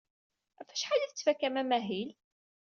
Ɣef wacḥal ay tettfakam amahil?